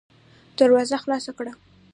دروازه خلاصه کړه!